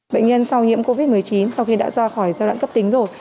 bệnh nhân sau nhiễm covid một mươi chín sau khi đã ra khỏi giai đoạn cấp tính rồi